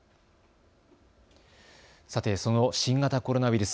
さてその新型コロナウイルス。